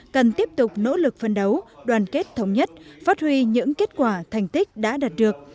cần tiếp tục nỗ lực phân đấu đoàn kết thống nhất phát huy những kết quả thành tích đã đạt được